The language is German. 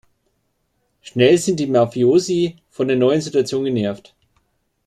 Schnell sind die Mafiosi von der neuen Situation genervt.